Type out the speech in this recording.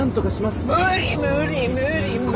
無理無理無理無理。